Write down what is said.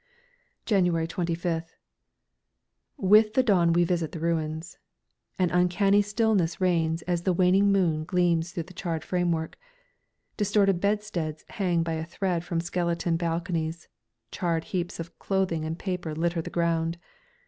January 25th. With the dawn we visit the ruins. An uncanny stillness reigns as the waning moon gleams through the charred framework. Distorted bedsteads hang by a thread from skeleton balconies, charred heaps of clothing and paper litter the ground.